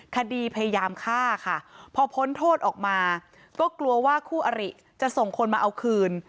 คดีพยายามฆ่าค่ะพอพ้นโทษออกมาก็กลัวว่าคู่อริจะส่งคนมาเอาคืน